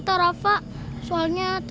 sebelah tenda itu ada